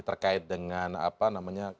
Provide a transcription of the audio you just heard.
terkait dengan apa namanya